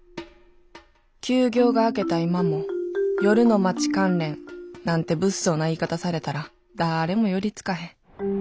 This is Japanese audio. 休業が明けた今も「夜の街関連」なんて物騒な言い方されたらだれも寄りつかへん。